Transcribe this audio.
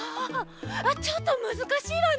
ちょっとむずかしいわね。